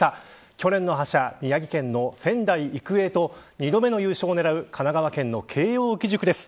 去年の覇者、宮城県の仙台育英と２度目の優勝を狙う神奈川県の慶応義塾です。